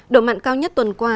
độ mặn cao nhất tuần qua